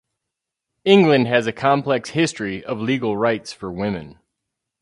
England has a complex history of legal rights for women.